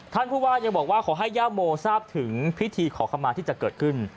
ท่านผู้ว่ายังบอกว่าขอให้ย่าโมทราบถึงพิธีขอขมาที่จะเกิดขึ้น